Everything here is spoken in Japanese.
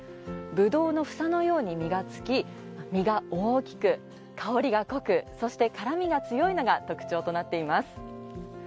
ぶどうの房のように実がつき実が大きく、香りが濃くそして、辛みが強いのが特徴となっています。